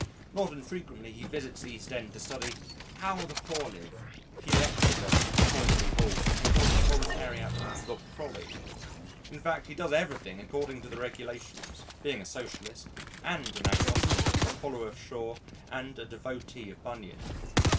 Not infrequently he visits the East End to Study "how the poor live," he lectures at Toynbee Hall, and calls the proletariat "the prolly." In fact, he does everything according to the regulations, being a socialist and an agnostic, a follower of Shaw and a devotee of Bunyan.